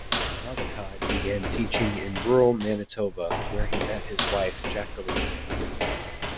Robichaud began teaching in rural Manitoba, where he met his wife, Jacqueline.